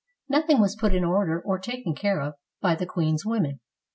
Nothing was put in order or taken care of by the queen's women.